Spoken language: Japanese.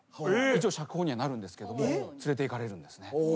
一応釈放にはなるんですけども連れていかれるんですね。